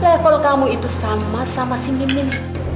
level kamu itu sama sama si minimum